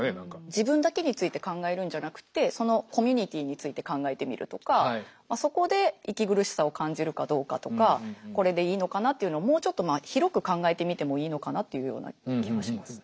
自分だけについて考えるんじゃなくってそのコミュニティーについて考えてみるとかそこで息苦しさを感じるかどうかとかこれでいいのかなっていうのをもうちょっと広く考えてみてもいいのかなっていうような気はします。